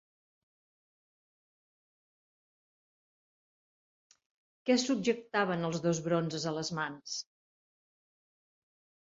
Què subjectaven els dos bronzes a les mans?